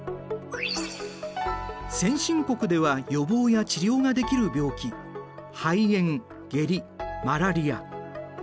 先進国では予防や治療ができる病気肺炎下痢マラリア。